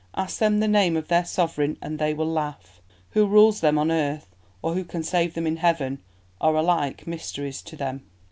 Ask them the name of their sovereign and they will laugh; who rules them on earth or who can save them in heaven are alike mysteries to them."